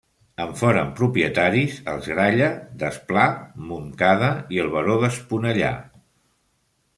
En foren propietaris els Gralla, Desplà, Montcada i el baró d'Esponellà.